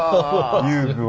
遊具を。